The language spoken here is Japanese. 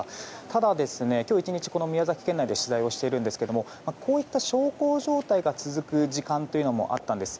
ただ、今日１日宮崎県内で取材をしていますがこういった小康状態が続く時間というのもあったんです。